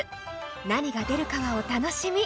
何が出るかはお楽しみ！